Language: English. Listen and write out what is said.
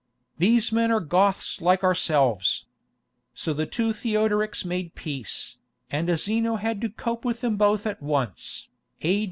These men are Goths like ourselves." So the two Theodorics made peace, and Zeno had to cope with them both at once [A.